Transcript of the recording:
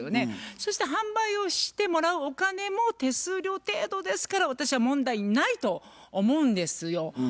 そして販売をしてもらうお金も手数料程度ですから私は問題ないと思うんですよ。